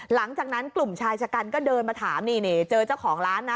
หลังจากนั้นกลุ่มชายชะกันก็เดินมาถามนี่เจอเจ้าของร้านนะ